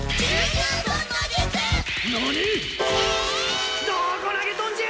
どこ投げとんじゃあ！